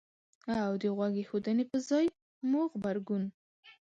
او د غوږ ایښودنې په ځای مو غبرګون